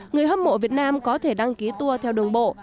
người hâm mộ việt nam có thể đăng ký tour theo đường bộ